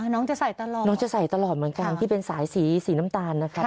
น้องจะใส่ตลอดน้องจะใส่ตลอดเหมือนกันที่เป็นสายสีสีน้ำตาลนะครับ